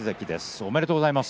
おめでとうございます。